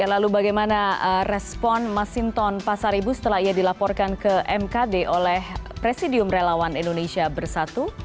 lalu bagaimana respon masinton pasar ibu setelah ia dilaporkan ke mkd oleh presidium relawan indonesia bersatu